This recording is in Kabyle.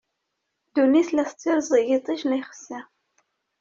Ddunit la tettirẓig, iṭij la ixeṣṣi.